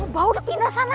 bau udah pindah sana